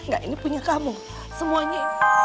enggak ini punya kamu semuanya